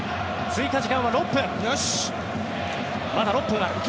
追加時間は６分。